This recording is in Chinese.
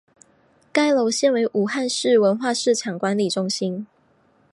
该楼现为武汉市文化市场管理中心。